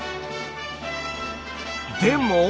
でも。